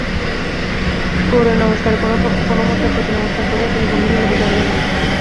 গৌরের নমস্কারে কোনোমতে প্রতিনমস্কার করিয়া তিনি গম্ভীর হইয়া বসিয়া রহিলেন।